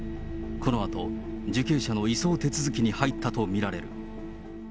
このあと受刑者の移送手続きに入ったと見られる。